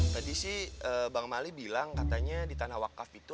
tadi sih bang mali bilang katanya di tanah wakaf itu